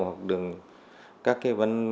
hoặc đường các cái vấn